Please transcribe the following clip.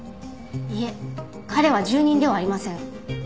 いえ彼は住人ではありません。